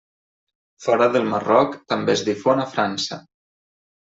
Fora del Marroc també es difon a França.